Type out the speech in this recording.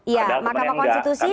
ya makam konstitusi memutuskan